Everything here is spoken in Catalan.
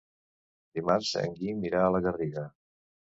Dimarts en Guim irà a Garrigàs.